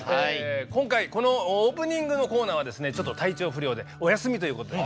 今回、このオープニングのコーナーはですね、ちょっと体調不良でお休みということで。